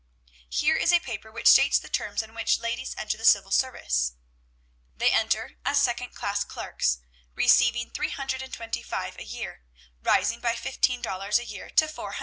"Here is a paper which states the terms on which ladies enter the civil service. "'They enter as second class clerks, receiving $325 a year, rising by fifteen dollars a year to $400.